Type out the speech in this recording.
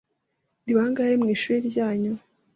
Ni bangahe mu ishuri ryanyu?